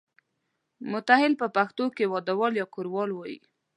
متاهل په پښتو کې واده والا یا کوروالا وایي.